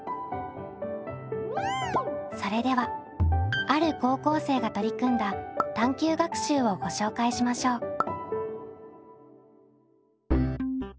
それではある高校生が取り組んだ探究学習をご紹介しましょう。